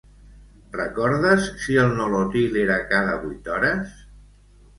Recordes si el Nolotil era cada vuit hores?